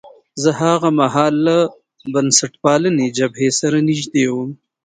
زه هاغه مهال له بنسټپالنې جبهې سره نژدې وم.